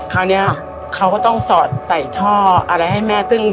คราวนี้เขาก็ต้องสอดใส่ท่ออะไรให้แม่ซึ่ง